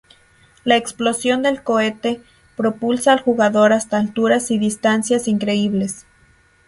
La explosión del cohete propulsa al jugador hasta alturas y distancias increíbles.